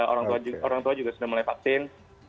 orang tua juga sudah mulai vaksin